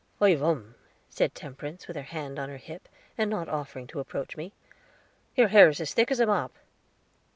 "I vum," said Temperance, with her hand on her hip, and not offering to approach me, "your hair is as thick as a mop."